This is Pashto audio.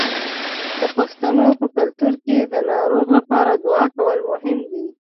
د پښتنو په کلتور کې د ناروغ لپاره دعا کول مهم دي.